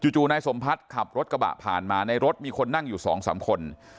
จู่นายสมพัฒน์ขับรถกระบะผ่านมาในรถมีคนนั่งอยู่๒๓คน